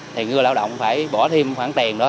thì người lao động phải bỏ thêm khoản tiền đó